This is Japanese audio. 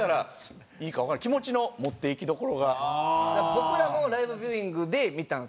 僕らもライブビューイングで見たんですよ